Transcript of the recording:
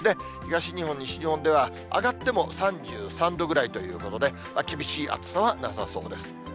東日本、西日本では上がっても３３度ぐらいということで、厳しい暑さはなさそうです。